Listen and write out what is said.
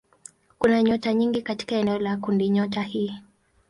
Kuna nyota nyingi katika eneo la kundinyota hii.